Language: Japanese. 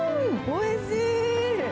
おいしい！